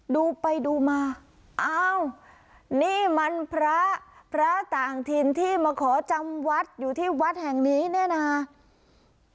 ดูไปดูมาอ้าวนี่มันพระพระต่างถิ่นที่มาขอจำวัดอยู่ที่วัดแห่งนี้เนี่ยนะ